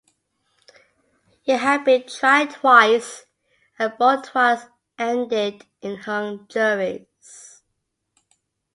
He had been tried twice and both trials ended in hung juries.